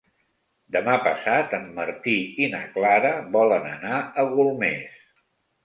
Demà passat en Martí i na Clara volen anar a Golmés.